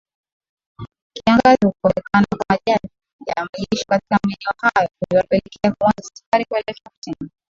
Kiangazi Kukosekana kwa majani ya malisho katika maeneo hayo kuliwapelekea kuanza safari kuelekea kusini